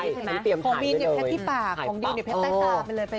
ใช่เค้าต้องเอาปรับอย่างตรงใส่เรา